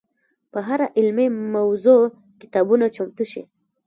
په هره علمي موضوع کتابونه چمتو شي.